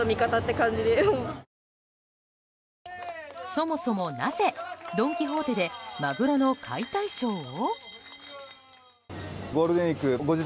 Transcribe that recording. そもそもなぜドン・キホーテでマグロの解体ショーを？